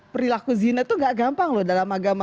perilaku zina itu gak gampang loh dalam agama